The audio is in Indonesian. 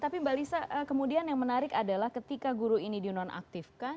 tapi mbak lisa kemudian yang menarik adalah ketika guru ini dinonaktifkan